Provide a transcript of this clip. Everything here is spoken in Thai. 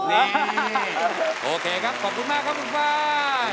โอเคครับขอบคุณมากครับคุณฟ้า